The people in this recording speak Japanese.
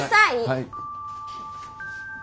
はい。